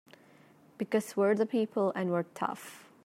Because we're the people and we're tough!